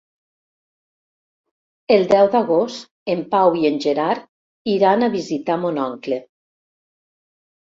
El deu d'agost en Pau i en Gerard iran a visitar mon oncle.